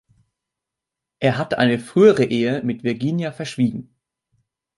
Er hat eine frühere Ehe mit Virginia verschwiegen.